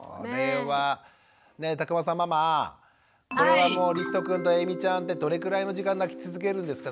田熊さんママこれはりひとくんとえいみちゃんってどれくらいの時間泣き続けるんですか？